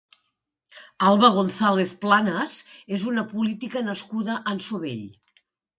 Alba Gonzàlez Planas és una política nascuda a Ansovell.